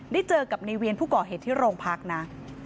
ได้เจอกับในเวียนผู้ก่อเหตุที่โรงพักนะ